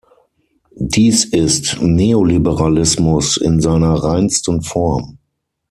Dies ist Neoliberalismus in seiner reinsten Form.